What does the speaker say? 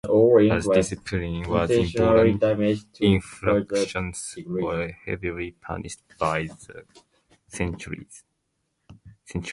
As discipline was important, infractions were heavily punished by the centurions.